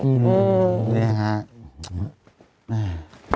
อืมนี่ครับ